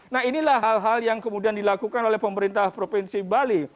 nah inilah hal hal yang kemudian dilakukan oleh pemerintah provinsi bali